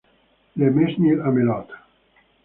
Le Mesnil-Amelot